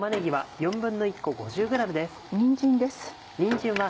にんじんです。